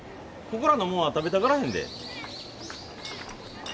ここらのもんは食べたがらへんで。